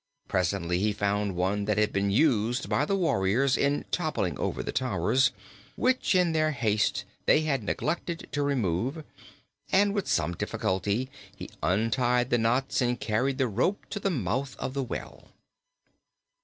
Presently he found one that had been used by the warriors in toppling over the towers, which in their haste they had neglected to remove, and with some difficulty he untied the knots and carried the rope to the mouth of the well.